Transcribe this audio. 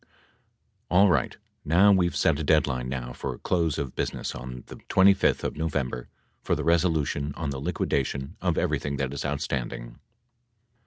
All right, now we've set a deadline now for close of busi ness on the 25th of November for the resolution on the liquida tion of everything that is outstanding